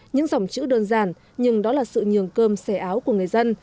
những dòng chữ đơn giản nhưng đó là sự nhường cơm xẻ áo của người dân